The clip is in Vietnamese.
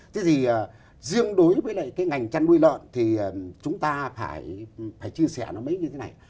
thế thì riêng đối với lại cái ngành chăn nuôi lợn thì chúng ta phải chia sẻ nó mấy như thế này